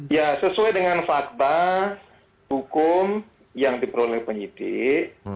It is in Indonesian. ya sesuai dengan fakta hukum yang diperoleh penyidik